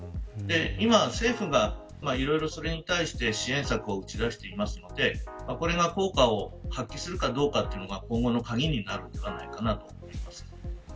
今、政府が、それに対して支援策をいろいろと打ち出しているのでこれが効果を発揮するかどうかが今後の鍵になるんじゃないかと思います。